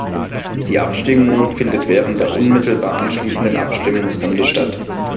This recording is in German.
Die Abstimmung findet während der unmittelbar anschließenden Abstimmungsstunde statt.